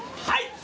はい。